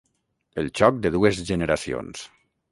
El xoc de dues generacions.